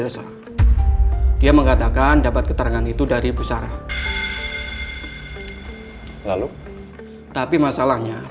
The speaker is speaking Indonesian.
sampai jumpa di video selanjutnya